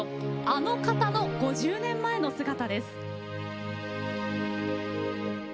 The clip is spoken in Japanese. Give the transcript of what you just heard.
あの方の５０年前の姿です。